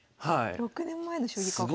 ６年前の将棋かこれは。